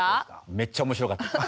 めっちゃ面白かったです。